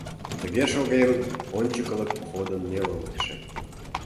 Тыге, шогем, ончыкылык походын нелылыкше